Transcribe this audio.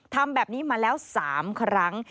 ทำแบบนี้มาแล้ว๓ครั้ง